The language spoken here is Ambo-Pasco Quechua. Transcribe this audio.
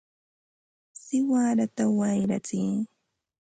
¡siwarata wayratsiy!